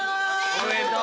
おめでとう！